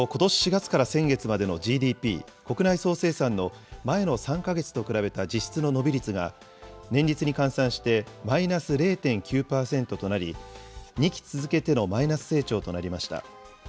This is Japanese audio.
４月から先月までのＧＤＰ・国内総生産の前の３か月と比べた実質の伸び率が、年率に換算してマイナス０．９％となり、２期続けてのマイナス成長となりました。